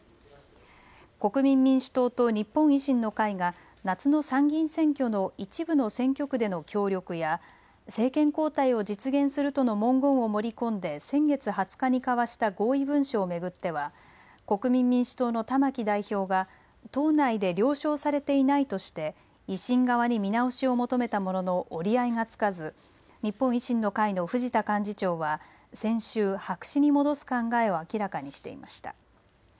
国民民主党と日本維新の会が夏の参議院選挙の一部の選挙区での協力や政権交代を実現するとの文言を盛り込んで先月２０日に交わした合意文書を巡っては国民民主党の玉木代表が党内で了承されていないとして維新側に見直しを求めたものの折り合いがつかず日本維新の会の藤田幹事長は先週、白紙に戻す考えを明らかにしていました。